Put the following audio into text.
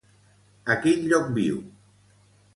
A quin lloc viu?